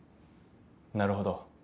なるほど。